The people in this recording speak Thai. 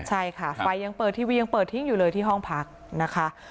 ใช่ค่ะไฟยังเปิดทีวียังเปิดทิ้งอยู่เลยที่ห้องพักนะคะ